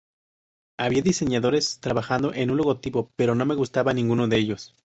Había diseñadores trabajando en un logotipo, pero no me gustaba ninguno de ellos.